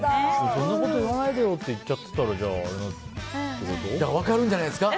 そんなこと言わないでよって行っちゃってたら分かるんじゃないですか？